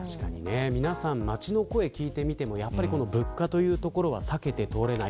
皆さん、街の声を聞いてみてもやっぱり物価というところは避けてとおれない。